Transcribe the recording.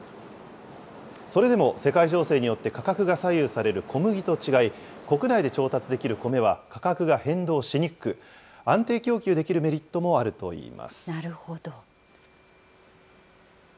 それでも、世界情勢によって価格が左右される小麦と違い、国内で調達できる米は価格が変動しにくく、安定供給できるメリッなるほど。